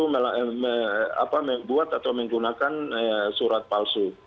membuat atau menggunakan surat palsu